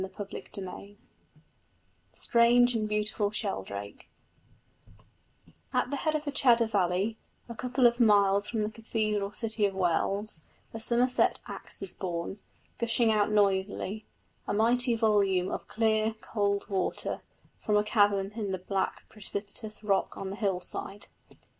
CHAPTER X THE STRANGE AND BEAUTIFUL SHELDRAKE At the head of the Cheddar valley, a couple of miles from the cathedral city of Wells, the Somerset Axe is born, gushing out noisily, a mighty volume of clear cold water, from a cavern in a black precipitous rock on the hillside.